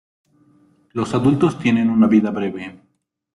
Los adultos tienen una vida breve.